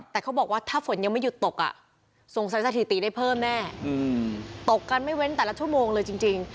แต่เขาบอกว่าถ้าฝนยังไม่หยุดตกสงสัยสถิติได้เพิ่มแน่ตกกันไม่เว้นแต่ละชั่วโมงเลยจริง